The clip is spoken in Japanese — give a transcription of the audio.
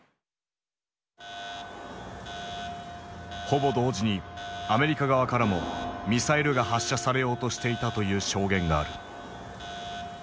ほぼ同時にアメリカ側からもミサイルが発射されようとしていたという証言がある。